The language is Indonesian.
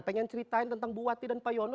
pengen ceritain tentang buwati dan pak yono